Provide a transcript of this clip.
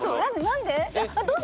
何で？